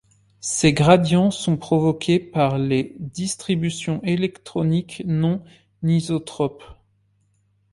Ces gradients sont provoqués par les distributions électroniques non isotropes.